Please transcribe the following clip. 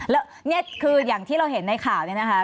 แล้วนี่คืออย่างที่เราเห็นในข่าวเนี่ยนะคะ